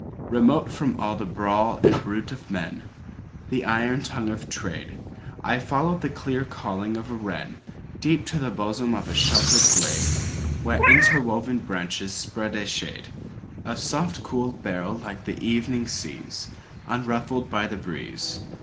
Remote from all the brawl and bruit of men, The iron tongue of Trade,I followed the clear calling of a wrenDeep to the bosom of a sheltered glade, Where interwoven branches spread a shadeOf soft cool beryl like the evening seasUnruffled by the breeze.